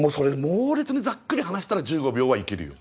猛烈にざっくり話したら１５秒は行けるよ。